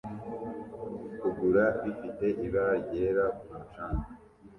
Kugura bifite ibara ryera ku mucanga